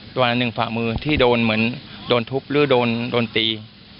ประมาณหนึ่งฝ่ามือที่โดนเหมือนโดนทุบหรือโดนตี